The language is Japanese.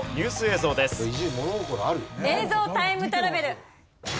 映像タイムトラベル！